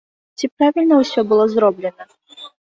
Ці правільна ўсё было зроблена?